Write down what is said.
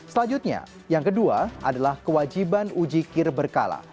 selanjutnya yang kedua adalah kewajiban uji kir berkala